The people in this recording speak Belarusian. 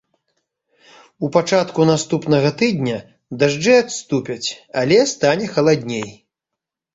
У пачатку наступнага тыдня дажджы адступяць, але стане халадней.